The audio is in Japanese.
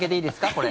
これ。